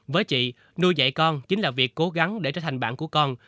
với chị nuôi dạy con chính là việc cố gắng để trở thành bạn của con